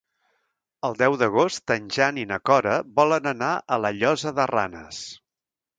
El deu d'agost en Jan i na Cora volen anar a la Llosa de Ranes.